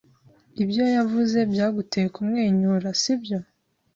Ibyo yavuze byaguteye kumwenyura, sibyo?